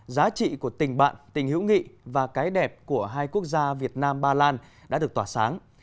giá trị của tình bạn tình hữu nghị và cái đẹp của hai quốc gia việt nam ba lan đã được tỏa sáng